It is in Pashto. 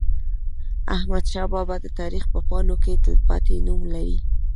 احمدشاه بابا د تاریخ په پاڼو کې تلپاتې نوم لري.